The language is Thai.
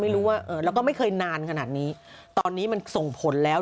เออแล้วก็ไม่เคยนานขนาดนี้ตอนนี้มันส่งผลแล้ว